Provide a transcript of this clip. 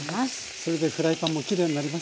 それでフライパンもきれいになりますね。